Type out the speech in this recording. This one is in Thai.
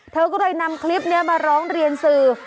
เธอก็เลยนำคลิปนี้มาร้องเรียนสื่อ